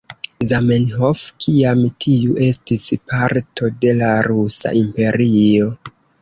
Zamenhof, kiam tiu estis parto de la Rusa Imperio.